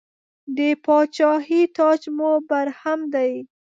د پاچاهۍ تاج مو برهم دی.